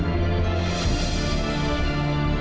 ก็จะไม่ถูกหาย